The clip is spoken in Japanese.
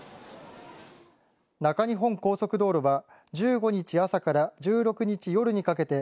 中日本高速道路は１５日朝から１６日夜にかけて